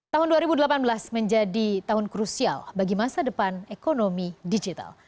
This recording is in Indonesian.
tahun dua ribu delapan belas menjadi tahun krusial bagi masa depan ekonomi digital